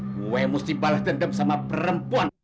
gue mesti balas dendam sama perempuan